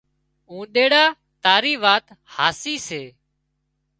اونۮيڙا تاري وات هاسي سي